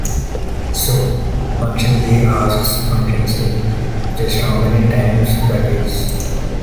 So, Function B asks Function C just how many times that is.